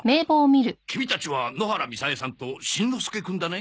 キミたちは野原みさえさんとしんのすけくんだね？